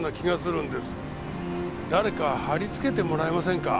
誰か張り付けてもらえませんか？